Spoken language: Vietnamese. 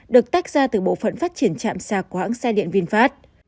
được tách ra từ bộ phận phát triển chạm sạc của hãng xe điện vinfast